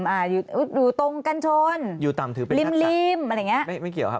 อ่าอยู่อยู่ตรงกันชนอยู่ต่ำถือเป็นริมริมอะไรอย่างเงี้ยไม่ไม่เกี่ยวครับ